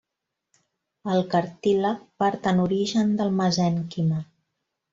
El cartílag part en origen del mesènquima.